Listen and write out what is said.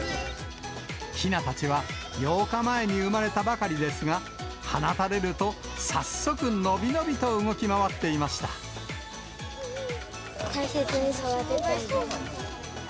ひなたちは、８日前に産まれたばかりですが、放たれると、早速伸び伸びと動き大切に育てたいです。